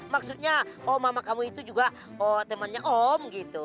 maksudnya mama kamu itu juga temannya om gitu